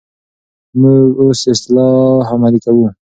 موږ اوس اصلاح عملي کوو.